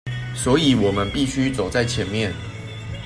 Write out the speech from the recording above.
所以我們必須走在前面